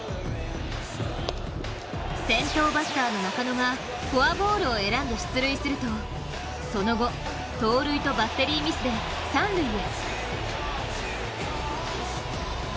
先頭バッターの中野がフォアボールを選んで出塁すると、その後、盗塁とバッテリーミスで三塁へ。